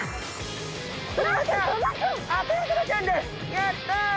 やった！